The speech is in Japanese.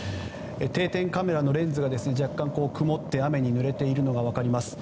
定点カメラのレンズが若干曇って雨にぬれているのが分かります。